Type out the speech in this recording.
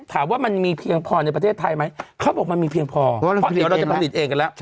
แต่วันนี้ภาวีพิลาเวียตอนนี้